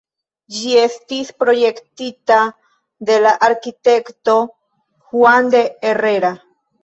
Ĝi estis projektita de la arkitekto Juan de Herrera.